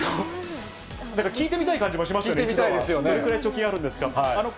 なんか聞いてみたい感じもしますよね、どれぐらい貯金あるんですかって。